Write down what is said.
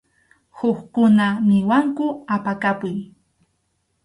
Hukkuna niwanku apakapuy.